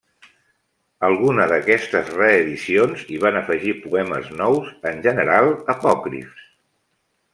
Alguna d'aquestes reedicions hi van afegir poemes nous, en general apòcrifs.